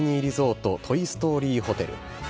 リゾート・トイ・ストーリーホテル。